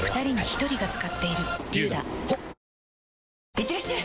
いってらっしゃい！